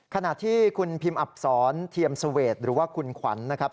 ขณะที่คุณพิมอับศรเทียมเสวดหรือว่าคุณขวัญนะครับ